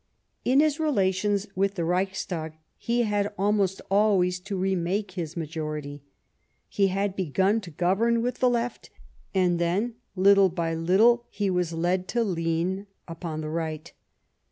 In his relations witn the Reichstag with the Reichstag he had almost always to remake his majority ; he had begun to govern with the Left ; and then, little by little, he was led to lean upon the Right.